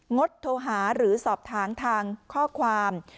ดโทรหาหรือสอบถามทางข้อความ